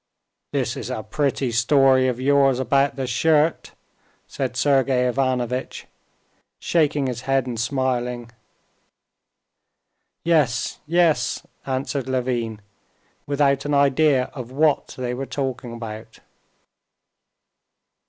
"This is a pretty story of yours about the shirt!" said Sergey Ivanovitch, shaking his head and smiling. "Yes, yes!" answered Levin, without an idea of what they were talking about.